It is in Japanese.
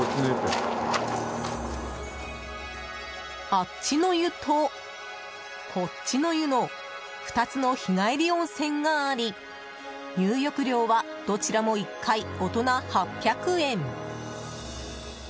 あっちの湯とこっちの湯の２つの日帰り温泉があり入浴料はどちらも１回、大人８００円。